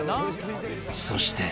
［そして］